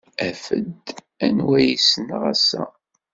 Af-d anwa ay ssneɣ ass-a!